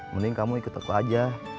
mending kamu ikut teku aja